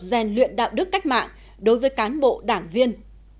rèn luyện đạo đức cách mạng đối với cán bộ đảng viên